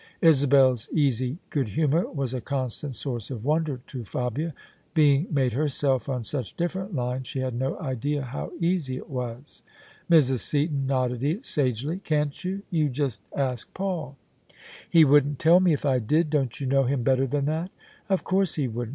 Isabel's easy good humour was a constant source of wonder to Fabia: being made herself on such different lines, she had no idea how easy it was. Mrs. Seaton nodded sagely. " Can't you? You just ask Paul." " He wouldn't tell me, if I did. Don't you know him better than that?" " Of course he wouldn't.